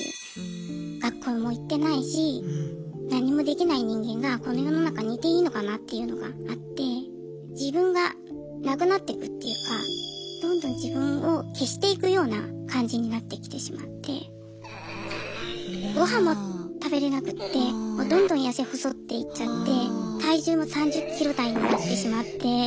学校も行ってないし何もできない人間がこの世の中にいていいのかなっていうのがあって自分がなくなっていくっていうかどんどん自分を消していくような感じになってきてしまってごはんも食べれなくってどんどん痩せ細っていっちゃって体重も３０ｋｇ台になってしまって。